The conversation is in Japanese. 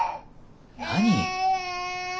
何？